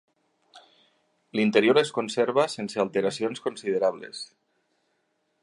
L'interior es conserva sense alteracions considerables.